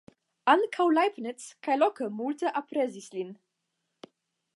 Ankaŭ Leibniz kaj Locke multe aprezis lin.